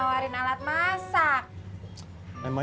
kiel sebok tiga tahun